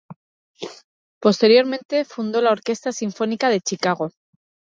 Posteriormente fundó la Orquesta Sinfónica de Chicago.